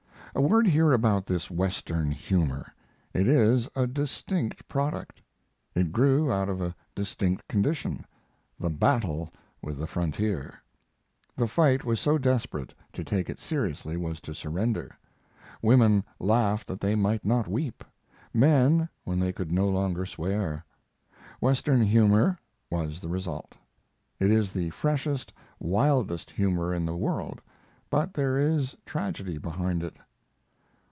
A word here about this Western humor: It is a distinct product. It grew out of a distinct condition the battle with the frontier. The fight was so desperate, to take it seriously was to surrender. Women laughed that they might not weep; men, when they could no longer swear. "Western humor" was the result. It is the freshest, wildest humor in the world, but there is tragedy behind it.